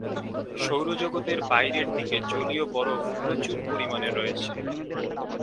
সৌরজগতের বাইরের দিকে জলীয় বরফ প্রচুর পরিমাণে রয়েছে।